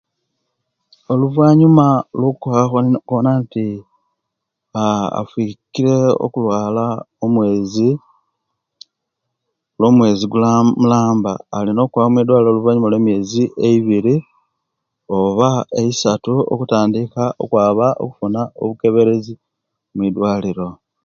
Oluvanyuma lwo kubona nti aa afikire okulwala omwezi lwo mwezi gu omulaba alina okwaba mwidwaliro oluvanyuma lwo mwoizi oba emiyeizi eibiri oba eisatu okutandika okwaba okufuna obukeberezi mudwaliro